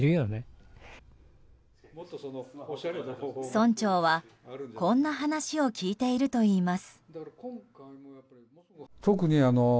村長は、こんな話を聞いているといいます。